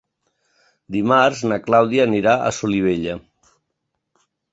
Dimarts na Clàudia anirà a Solivella.